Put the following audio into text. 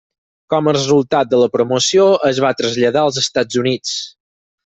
Com a resultat de la promoció, es va traslladar als Estats Units.